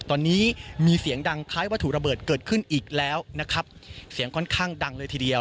ตอนนี้มีเสียงดังคล้ายวัตถุระเบิดเกิดขึ้นอีกแล้วนะครับเสียงค่อนข้างดังเลยทีเดียว